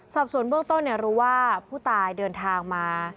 สอบส่วนเบื้องต้นรู้ว่าผู้ตายเดินทางมา